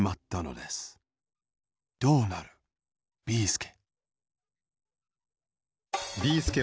どうなるビーすけ